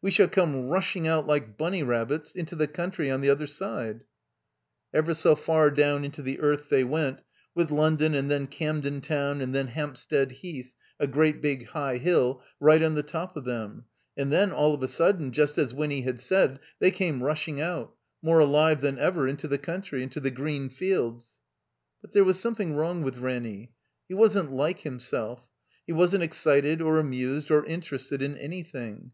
We shall oome rushing out, like bunny rabbits, into the country on the other side." 21 31S THE COMBINED MAZE Ever so far down into the earth they went, with London, and then Camden Town, and then Hamp stead Heath — a great big high hill — right on the top of them; and then, all of a sudden, just as Winny had said, they came rushing out, more alive than ever, into the country, into the green fields. But there was something wrong with Ranny. He wasn't like himself. He wasn't excited or amused or interested in anything.